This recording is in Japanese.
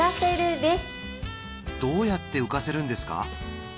どうやって浮かせるんですか？